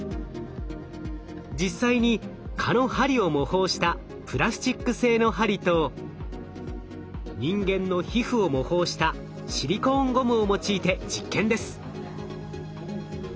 実際に蚊の針を模倣したプラスチック製の針と人間の皮膚を模倣したシリコーンゴムを用いて実験です。